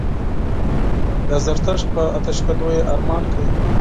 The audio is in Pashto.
د زردشت په آتشکدو یې ارمان کوي.